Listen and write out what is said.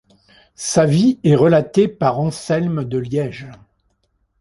Sa vie est relatée par Anselme de Liège.